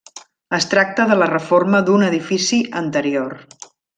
Es tracta de la reforma d'un edifici anterior.